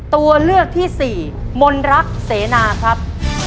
ตัวเลือกที่สี่มนรักเสนาครับ